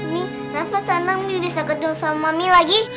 mie rafa seneng mie bisa gedung sama mami lagi